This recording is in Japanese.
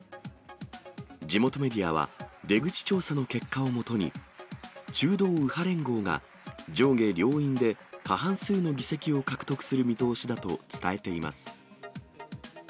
地元メディアは、出口調査の結果を基に、中道右派連合が上下両院で過半数の議席を獲得する見通しだと伝えています。